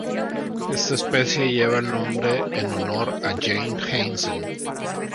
Esta especie lleva el nombre en honor a James Hansen.